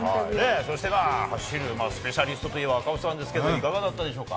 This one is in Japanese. そして、走るスペシャリストといえば赤星さんですけれども、いかがだったでしょうか。